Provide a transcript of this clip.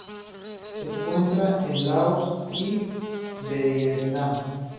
Se encuentra en Laos y Vietnam.